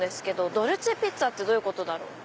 ドルチェピッツァってどういうことだろう？